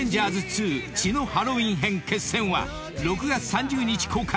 ２血のハロウィン編−決戦−』は６月３０日公開］